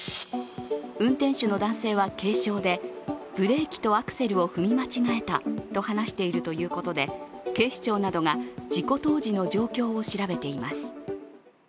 運転手の男性は軽傷で、ブレーキとアクセルを踏み間違えたと話しているということで警視庁などが事故当時の状況を調べています。